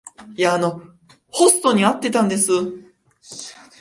ホストに会ってたんです。